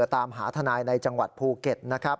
ตามหาทนายในจังหวัดภูเก็ตนะครับ